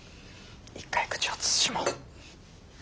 一回口を慎もう。